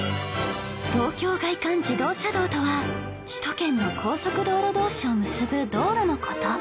東京外環自動車道とは首都圏の高速道路同士を結ぶ道路の事